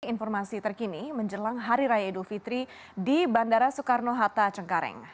informasi terkini menjelang hari raya idul fitri di bandara soekarno hatta cengkareng